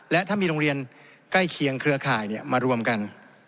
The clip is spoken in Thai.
และถ้ามีโรงเรียนใกล้เคียงเครือข่ายมารวมกัน